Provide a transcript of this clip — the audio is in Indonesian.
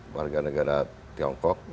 warga negara tiongkok